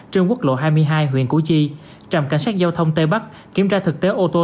trên quốc lộ hai mươi hai huyện củ chi trạm cảnh sát giao thông tây bắc kiểm tra thực tế ô tô